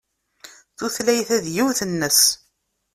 Tutlayt-a d yiwet-nnes.